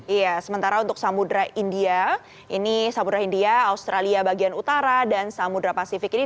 iya sementara untuk samudera india ini samudera india australia bagian utara dan samudera pasifik ini